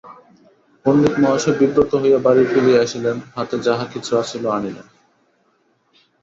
পণ্ডিতমহাশয় বিব্রত হইয়া বাড়ি ফিরিয়া আসিলেন, হাতে যাহাকিছু ছিল আনিলেন।